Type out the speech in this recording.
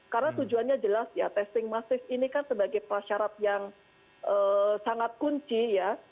karena tujuannya jelas ya testing masif ini kan sebagai persyarat yang sangat kunci ya